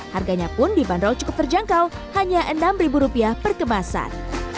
harganya pun dibanderol cukup terjangkau hanya rp enam per kemasan